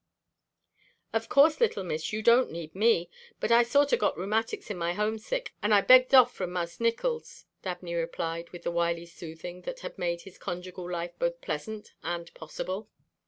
"Of course, little miss, you don't need me, but I sorter got rheumatics in my homesick and I begged off from Mas' Nickols," Dabney replied with the wily soothing that had made his conjugal life both pleasant and possible.